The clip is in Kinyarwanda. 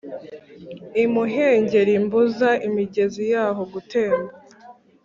imuhengeri mbuza imigezi yaho gutemba